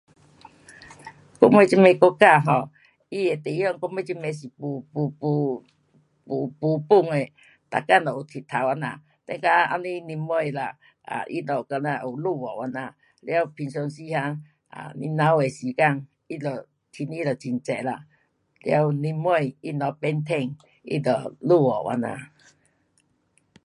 我们这们国家 um 它的地方我们这边是没，没，没，没，没分的，每天都有日头这样，等到后日年尾了，啊，它就好像有落雨这样，了平常时哈 um 年头的时间，它就天气就很热了，了年尾它若变天，它就落雨这样。